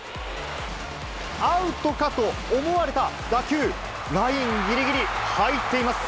アウトかと思われた打球、ラインぎりぎり、入っています。